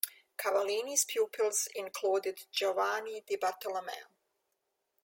Cavallini's pupils included Giovanni di Bartolommeo.